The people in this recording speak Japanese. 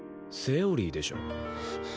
セオリーでしょ。